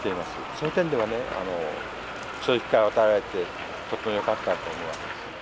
そういう点ではねそういう機会を与えられてとってもよかったと思います。